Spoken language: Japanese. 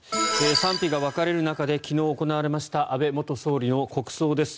賛否が分かれる中で昨日行われました安倍元総理の国葬です。